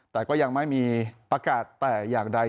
แต่ก็ยังไม่มีประกาศแต่อย่างใด